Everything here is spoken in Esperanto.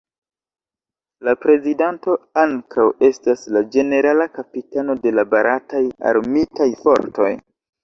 La Prezidanto ankaŭ estas la Ĝenerala Kapitano de la Barataj Armitaj Fortoj.